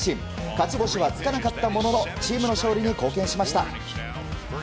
勝ち星はつかなかったもののチームの勝利に貢献しました。